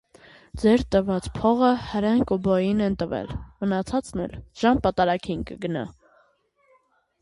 Ձեր տված փողը հրեն կուբոյին ենք տվել, մնացածն էլ ժամ֊պատարագին կգնա: